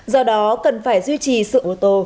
do đó cần phải duy trì sự ô tô